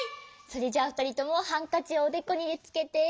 それじゃあふたりともハンカチをおでこにつけて。